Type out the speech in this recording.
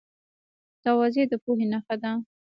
تواضع د پوهې نښه ده.